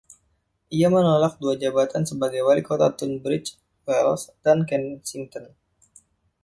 Ia menolak dua jabatan sebagai wali kota Tunbridge Wells dan Kensington.